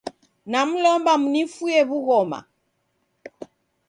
Namlomba munifue w'ughoma